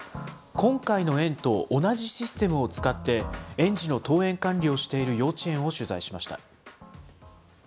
今回の園と同じシステムを使って、園児の登園管理をしている幼稚園を取材しました。